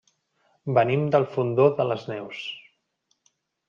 Venim del Fondó de les Neus.